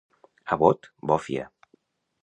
A Bot, bòfia.